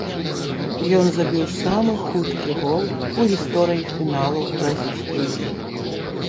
Ён забіў самы хуткі гол у гісторыі фіналаў бразільскай лігі.